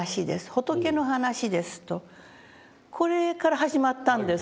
仏の話です」とこれから始まったんですね。